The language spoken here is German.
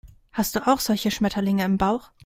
Hast du auch solche Schmetterlinge im Bauch?